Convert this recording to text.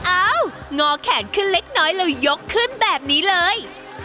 อ้าวรอแขนขึ้นเล็กน้อยแล้วยกขึ้นแบบนี้เลย